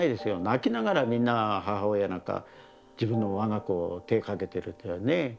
泣きながらみんな母親なんか自分の我が子を手かけてるっていうね。